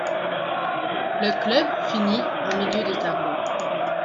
Le club finit en milieu de tableau.